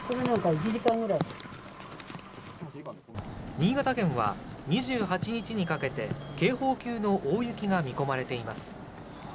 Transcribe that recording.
新潟県は２８日にかけて警報級の大雪が見込まれています。